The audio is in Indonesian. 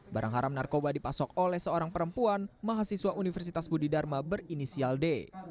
barang haram narkoba dipasok oleh seorang perempuan mahasiswa universitas budi dharma berinisial d